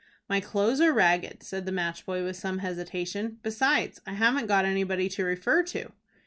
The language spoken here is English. "My clothes are ragged," said the match boy with some hesitation. "Besides I haven't got anybody to refer to."